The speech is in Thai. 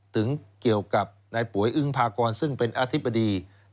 เกี่ยวกับนายป่วยอึ้งพากรซึ่งเป็นอธิบดี